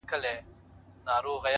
دا د نور په تلاوت بې هوښه سوی دی-